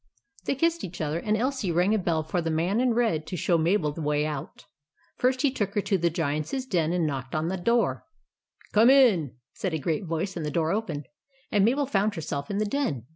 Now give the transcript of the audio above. They kissed each other; and Elsie rang a bell for the man in red to show Mabel the way out. First, he took her to the Giant's den, and knocked on the door. " COME IN !" said a great voice, and the door opened, and Mabel found herself in the den.